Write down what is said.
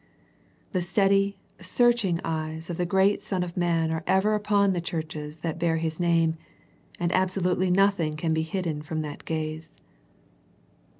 The steady, searching eyes of the great Son of man are ever upon the churches that bear His name, and absolutely nothing can be hidden from that gaze.